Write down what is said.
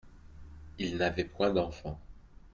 Ils n’avaient point d’enfants.